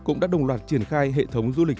cũng đã đồng loạt triển khai hệ thống du lịch